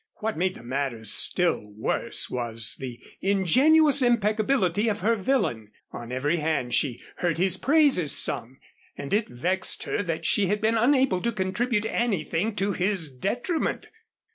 What made the matter still worse was the ingenuous impeccability of her villain. On every hand she heard his praises sung. And it vexed her that she had been unable to contribute anything to his detriment.